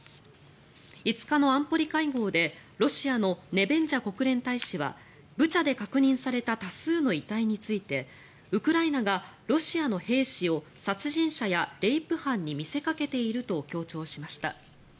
５日の安保理会合でロシアのネベンジャ国連大使はブチャで確認された多数の遺体についてウクライナがロシアの兵士を殺人者やレイプ犯に見せかけていると強調しました。